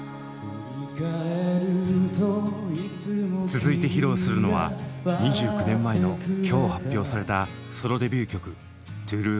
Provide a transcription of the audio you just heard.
続いて披露するのは２９年前の今日発表されたソロデビュー曲「ＴＲＵＥＬＯＶＥ」。